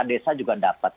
kita desa juga dapat